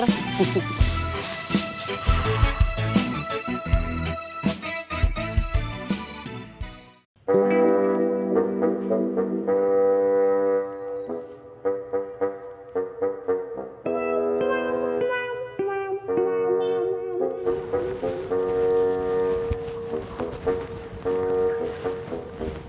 sentuh taher ooh ndi